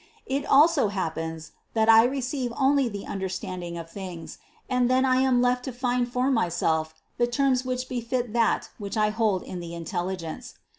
It also happens, that I receive only the under standing of things, and then I am left to find for myself the terms which befit that which I hold in the intelligence.